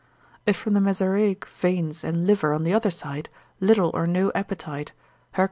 If from the mesaraic veins and liver on the other side, little or no appetite, Herc.